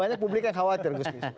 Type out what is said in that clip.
banyak publik yang khawatir gus